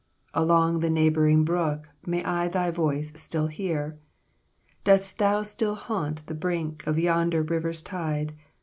Along the neighboring brook May I thy voice still hear? "Dost thou still haunt the brink Of yonder river's tide?